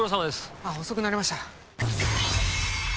あっ遅くなりました。